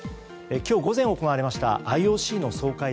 今日午前に行われましたＩＯＣの総会。